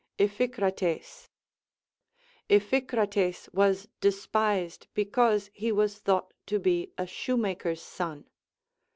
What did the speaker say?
Iphicrates. Iphicrates was despised because he was thought to be a shoemaker's son.